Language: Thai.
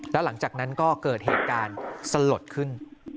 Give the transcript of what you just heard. และหลังจากนั้นเกิดเหตุการณ์สะหร่ดขึ้น